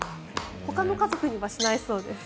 ほかの家族にはしないそうです。